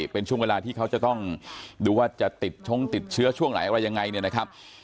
เป็นช่วงเวลาที่เขาจะต้องดูว่าจะติดชงติดเชื้อช่วงไหนอะไรยังไงเนี่ยนะครับ